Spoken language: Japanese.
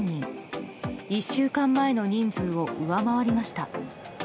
１週間前の人数を上回りました。